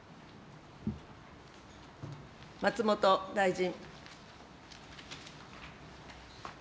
松本大臣。